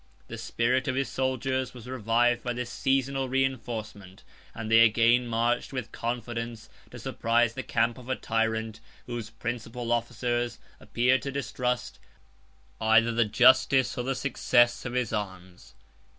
The spirit of his soldiers was revived by this seasonable reenforcement; and they again marched, with confidence, to surprise the camp of a tyrant, whose principal officers appeared to distrust, either the justice or the success of his arms.